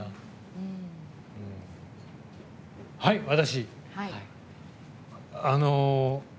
はい、私！